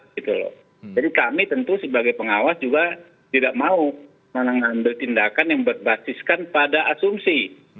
jadi kami tentu sebagai pengawas juga tidak mau menanggung tindakan yang berbasiskan pada asumsi